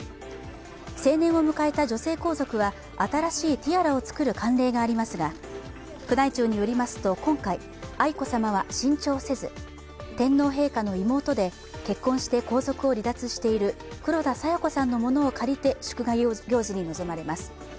成年を迎えた女性皇族は新しいティアラを作る慣例がありますが宮内庁によりますと今回、愛子さまは新調せず、天皇陛下の妹で結婚して皇族を離脱している黒田清子さんのものを借りて祝賀行事に臨まれます。